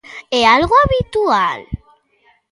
É algo habitual?